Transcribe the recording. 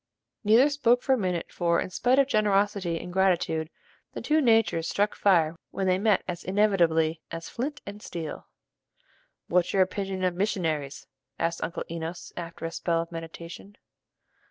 Neither spoke for a minute; for, in spite of generosity and gratitude, the two natures struck fire when they met as inevitably as flint and steel. "What's your opinion of missionaries," asked Uncle Enos, after a spell of meditation.